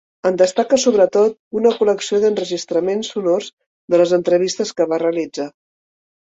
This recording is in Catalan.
En destaca sobretot una col·lecció d'enregistraments sonors de les entrevistes que va realitzar.